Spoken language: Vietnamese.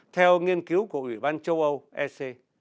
theo nghiên cứu của ủy ban châu âu ec